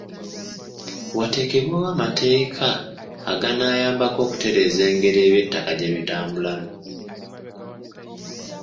Wateekebwewo amateeka aganaayambako okutereeza engeri eby'ettaka gye bitambulamu.